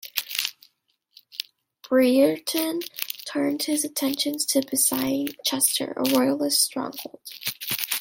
Brereton turned his attentions to besieging Chester, a Royalist stronghold.